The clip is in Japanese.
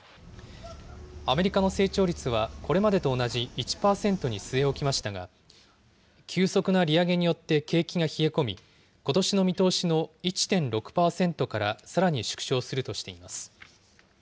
アメリカの成長率はこれまでと同じ１％に据え置きましたが、急速な利上げによって景気が冷え込み、ことしの見通しの１．６％からさらに縮小するとしています。